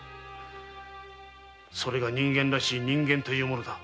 それが人間らしい人間というものだ。